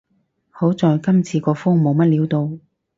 好在今次個風冇乜料到